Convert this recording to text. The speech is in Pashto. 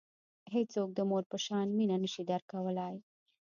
هیڅوک د مور په شان مینه نه شي درکولای.